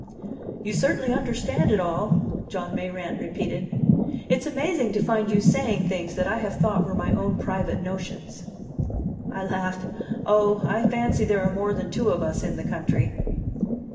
"You certainly understand it all," John Mayrant repeated. "It's amazing to find you saying things that I have thought were my own private notions." I laughed. "Oh, I fancy there are more than two of us in the country."